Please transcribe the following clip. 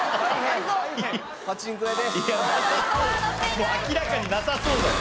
もう明らかになさそうだよ。